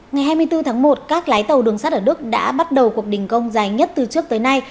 ngày hai mươi bốn tháng một các lái tàu đường sắt ở đức đã bắt đầu cuộc đình công dài nhất từ trước tới nay